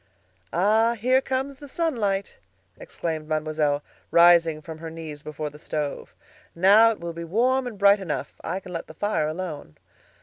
"Ah! here comes the sunlight!" exclaimed Mademoiselle, rising from her knees before the stove. "Now it will be warm and bright enough; I can let the fire alone."